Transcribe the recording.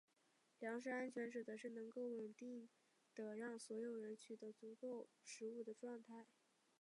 粮食安全指的是能够稳定地让所有人取得足够食物的状态。